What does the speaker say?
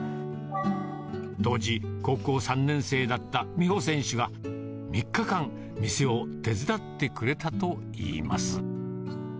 当時、高校３年生だった美帆選手が３日間、店を手伝ってくれたといいます。